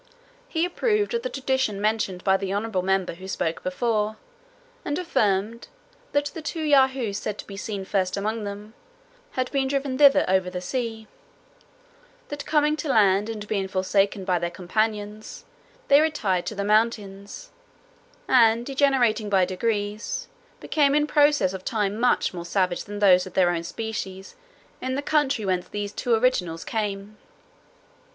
"He approved of the tradition mentioned by the honourable member who spoke before, and affirmed, that the two Yahoos said to be seen first among them, had been driven thither over the sea; that coming to land, and being forsaken by their companions, they retired to the mountains, and degenerating by degrees, became in process of time much more savage than those of their own species in the country whence these two originals came.